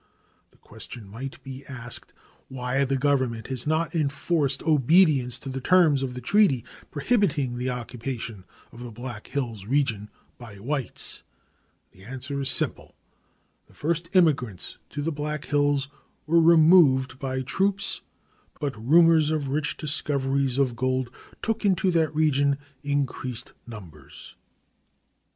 The question might be asked why the Government has not enforced obedience to the terms of the treaty prohibiting the occupation of the Black Hills region by whites. The answer is simple: The first immigrants to the Black Hills were removed by troops, but rumors of rich discoveries of gold took into that region increased numbers.